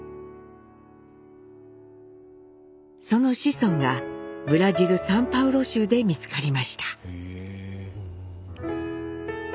その子孫がブラジルサンパウロ州で見つかりました。